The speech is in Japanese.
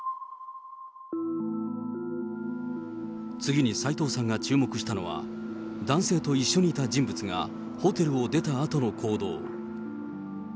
次に齊藤さんが注目したのは、男性と一緒にいた人物が、ホテルを出たあとの行動。